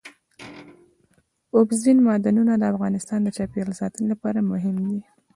اوبزین معدنونه د افغانستان د چاپیریال ساتنې لپاره مهم دي.